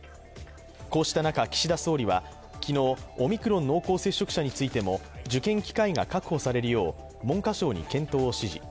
こうした中、岸田総理は昨日オミクロン濃厚接触者についても受験機会が確保されるよう文科省に検討を指示。